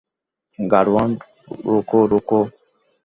গাড়োয়ান, রোখো, রোখো!